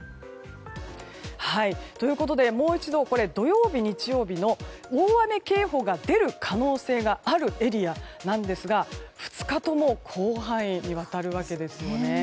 ということでもう一度、土曜日、日曜日の大雨警報が出る可能性があるエリアなんですが２日とも広範囲にわたるわけですよね。